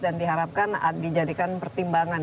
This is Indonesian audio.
dan diharapkan dijadikan pertimbangan